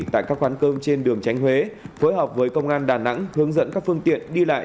tại các quán cơm trên đường tránh huế phối hợp với công an đà nẵng hướng dẫn các phương tiện đi lại